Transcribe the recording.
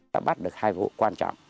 ta bắt được hai vụ quan trọng